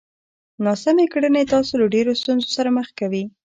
ناسمې کړنې تاسو له ډېرو ستونزو سره مخ کوي!